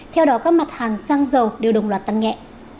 theo đó các mặt hàng xăng dầu đều đồng loạt tăng nhẹ